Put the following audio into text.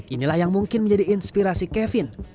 inilah yang mungkin menjadi inspirasi kevin